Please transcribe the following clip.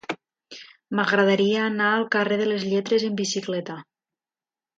M'agradaria anar al carrer de les Lletres amb bicicleta.